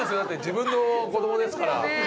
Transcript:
自分の子供ですから。